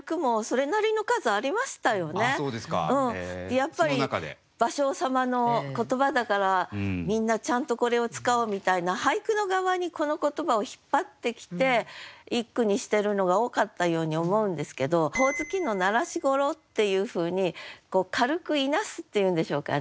やっぱり芭蕉様の言葉だからみんなちゃんとこれを使おうみたいな俳句の側にこの言葉を引っ張ってきて一句にしてるのが多かったように思うんですけど「鬼灯の鳴らしごろ」っていうふうに軽くいなすっていうんでしょうかね